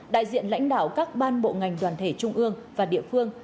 đại diện lãnh đạo các ban bộ ngành đoàn thể trung ương và địa phương